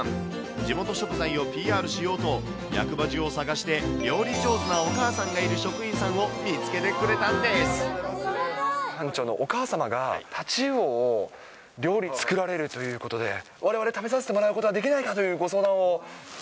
地元食材をＰＲしようと、役場中を探して、料理上手なお母さんがいる職員さんを見つけてく班長のお母様が、太刀魚を料理作られるということで、われわれ食べさせてもらうことはできないかというご相談を。